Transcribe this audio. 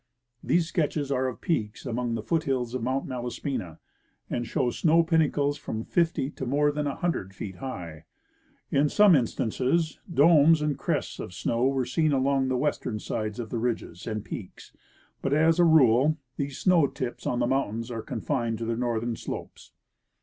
These sketches are of peaks among the foothills of Mount Malaspina, and show snow pinnacles from fifty to more than a hundred feet high. In some instances, domes and crests of snow were seen along the western sides of the ridges and peaks, but as a rule these snoAV tips on the moun tains are confined to their northern slopes.